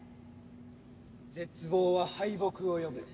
絶望は敗北を呼ぶ。